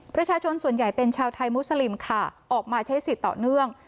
ประชาชนส่วนใหญ่เป็นชาวไทยมุสลิมค่ะออกมาใช้สิทธิ์ต่อเนื่อง